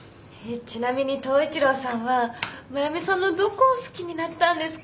ちなみに統一郎さんは繭美さんのどこを好きになったんですか？